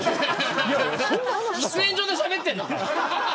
喫煙所でしゃべってんのか。